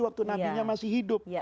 waktu nabinya masih hidup